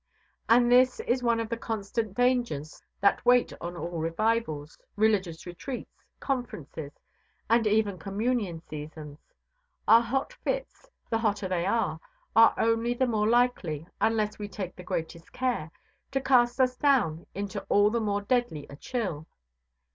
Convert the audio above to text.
And this is one of the constant dangers that wait on all revivals, religious retreats, conferences, and even communion seasons. Our hot fits, the hotter they are, are only the more likely, unless we take the greatest care, to cast us down into all the more deadly a chill.